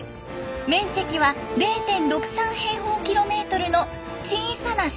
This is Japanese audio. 面積は０．６３平方キロメートルの小さな島です。